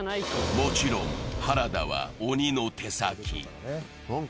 もちろん原田は鬼の手先。